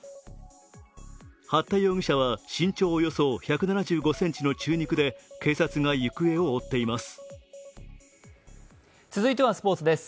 八田容疑者は身長およそ１７５ｃｍの中肉で警察が行方を追っています。